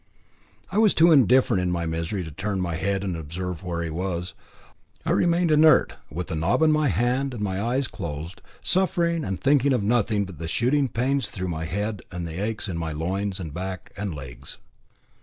I was too indifferent in my misery to turn my head and observe where he was. I remained inert, with the knob in my hand, and my eyes closed, suffering and thinking of nothing but the shooting pains through my head and the aches in my loins and back and legs.